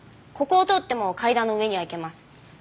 ここを通っても階段の上には行けます。